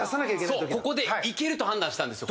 満島：ここでいけると判断したんですよ。